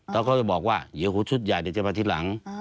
แล้วก็จะบอกว่าหยุดชุดใหญ่จะมาที่หลัง